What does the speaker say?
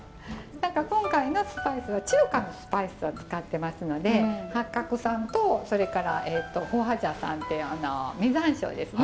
何か今回のスパイスは中華のスパイスを使ってますので八角さんとそれから花椒さんっていう実山椒ですね